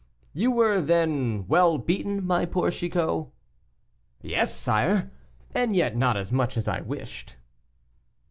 "You were, then, well beaten, my poor Chicot?" "Yes, sire, and yet not as much as I wished."